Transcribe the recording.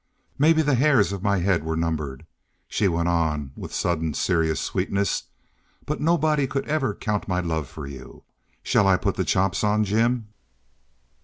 Maybe the hairs of my head were numbered," she went on with sudden serious sweetness, "but nobody could ever count my love for you. Shall I put the chops on, Jim?"